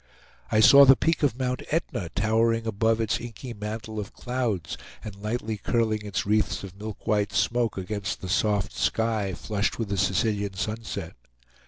I saw the peak of Mount Etna towering above its inky mantle of clouds and lightly curling its wreaths of milk white smoke against the soft sky flushed with the Sicilian sunset.